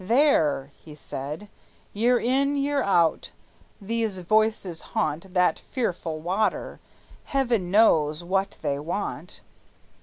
"There," He said, "year in, year out, these voices haunt That fearful water; heaven knows what they want!